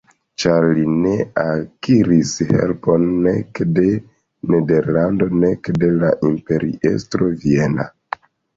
Ĉar li ne akiris helpon nek de Nederlando nek de la imperiestro viena.